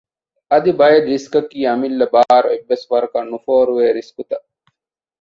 އަދި ބައެއް ރިސްކަކީ އަމިއްލަ ބާރު އެއްވެސް ވަރަކަށް ނުފޯރުވޭ ރިސްކުތައް